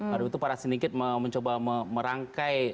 baru itu para sindiket mencoba merangkai